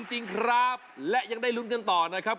จริงครับและยังได้ลุ้นกันต่อนะครับ